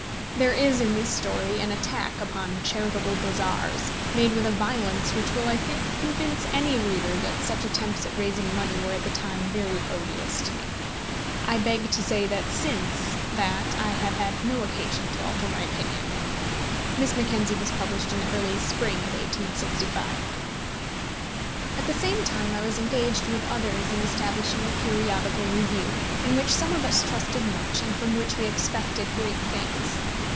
There is in this story an attack upon charitable bazaars, made with a violence which will, I think, convince any reader that such attempts at raising money were at the time very odious to me. I beg to say that since that I have had no occasion to alter my opinion. Miss Mackenzie was published in the early spring of 1865. At the same time I was engaged with others in establishing a periodical Review, in which some of us trusted much, and from which we expected great things.